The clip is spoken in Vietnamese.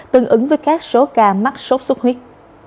tương ứng với các số ca mắc sốt xuất huyết